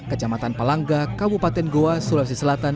kecamatan pelangga kabupaten goa sulawesi selatan